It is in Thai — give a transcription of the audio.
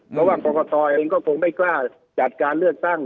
เพราะว่ากรกฎอตรองค์เองก็คงไม่กล้าจัดการเลือกสร้าง